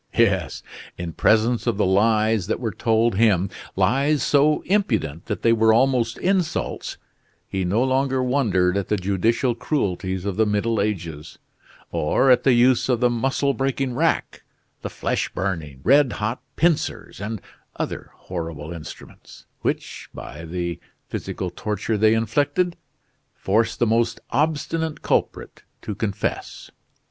Yes, in presence of the lies that were told him, lies so impudent that they were almost insults, he no longer wondered at the judicial cruelties of the Middle Ages, or at the use of the muscle breaking rack, the flesh burning, red hot pincers, and other horrible instruments, which, by the physical torture they inflicted, forced the most obstinate culprit to confess.